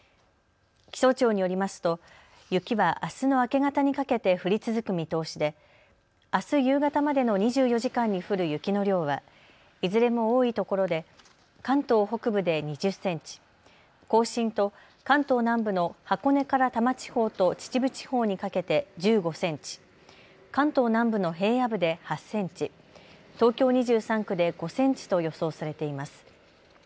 気象庁によりますと雪はあすの明け方にかけて降り続く見通しであす夕方までの２４時間に降る雪の量はいずれも多いところで関東北部で２０センチ、甲信と関東南部の箱根から多摩地方と秩父地方にかけて１５センチ、関東南部の平野部で８センチ、東京２３区で５センチと予想されています。